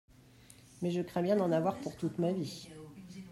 Mais je crains bien d'en avoir pour toute ma vie.